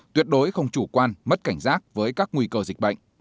tuyệt đối không chủ quan mất cảnh giác với các nguy cơ dịch bệnh